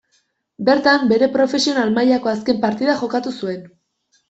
Bertan, bere profesional mailako azken partida jokatu zuen.